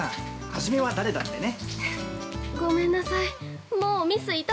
初めは誰だってね。